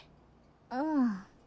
うん。